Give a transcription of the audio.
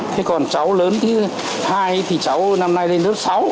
thế còn cháu lớn thứ hai thì cháu năm nay lên lớp sáu